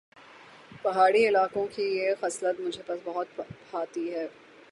پہاڑی علاقوں کی یہ خصلت مجھے بہت بھاتی ہے